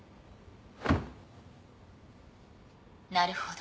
なるほど。